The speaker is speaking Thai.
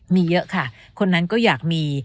มีเยอะค่ะคนนั้นก็อยากมี